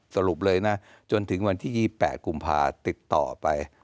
สรุปเลยนะจนถึงวันที่๒๘กุมภาติดต่อไป